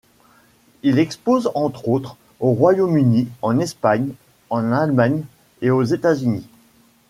Il expose entre autres, au Royaume-Uni, en Espagne, en Allemagne et aux États-Unis.